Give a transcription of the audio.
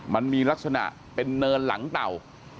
มันมีลักษณะเป็นเนินหลังเต่า